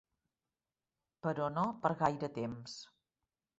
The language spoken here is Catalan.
Però no per gaire temps.